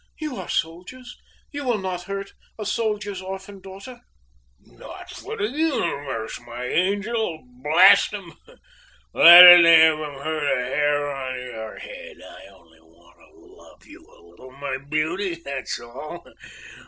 You are soldiers, and will not hurt a soldier's orphan daughter." "Not for the universe, my angel; bl t 'em! let any of 'em hurt a hair of your head! I only want to love you a little, my beauty! that's all!